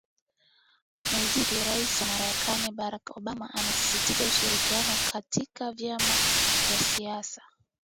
muziki rais wa marekani barack obama asisitiza ushirikiano kati ya vyama vya siasa